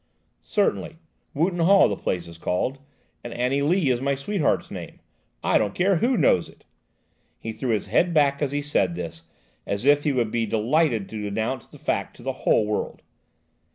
"Certainly; Wootton Hall, the place is called, and Annie Lee is my sweetheart's name. I don't care who knows it!" He threw his head back as he said this, as if he would be delighted to announce the fact to the whole world.